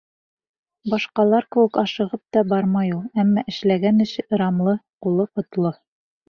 Башҡалар кеүек ашығып та бармай ул, әммә эшләгән эше — ырамлы, ҡулы — ҡотло.